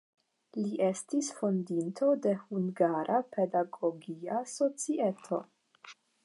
Li estis fondinto de "Hungara Pedagogia Societo".